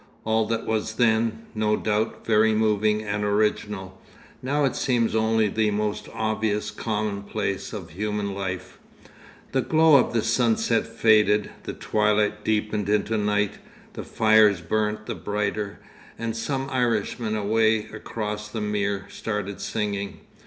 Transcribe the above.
All that was then, no doubt, very moving and original; now it seems only the most obvious commonplace of human life. The glow of the sunset faded, the twilight deepened into night. The fires burnt the brighter, and some Irishmen away across the mere started singing.